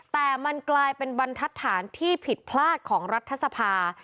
แต่มันกลายเป็นบรรทัศน์ที่ผิดพลาดของรัฐสภา